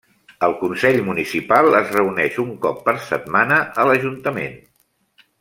El consell municipal es reuneix un cop per setmana a l'ajuntament.